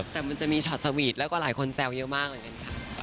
แต่จะมีช็อตสวีทแล้วก็หลายคนเเตาเยอะมากเลย